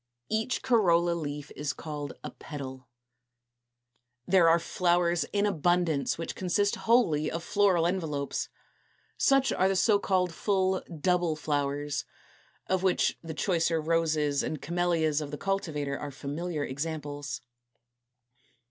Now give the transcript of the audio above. Each corolla leaf is called a PETAL. 232. There are flowers in abundance which consist wholly of floral envelopes. Such are the so called full double flowers, of which the choicer roses and camellias of the cultivator are familiar examples.